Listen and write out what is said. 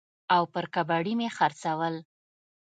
او پر کباړي مې خرڅول.